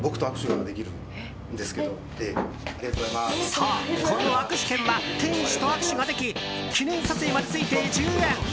そう、この握手券は店主と握手ができ記念撮影までついて１０円。